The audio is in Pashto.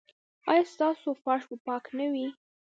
ایا ستاسو فرش به پاک نه وي؟